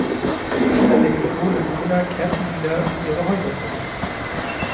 Viele der geflohenen Bewohner kehrten wieder in ihre Häuser zurück.